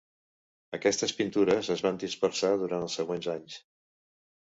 Aquestes pintures es van dispersar durant els següents anys.